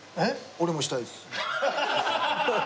俺もしたいです。